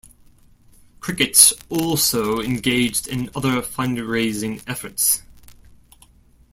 Cricket also engaged in other fundraising efforts.